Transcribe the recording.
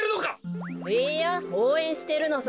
いいやおうえんしてるのさ。